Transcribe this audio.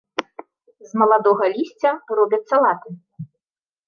З маладога лісця робяць салаты.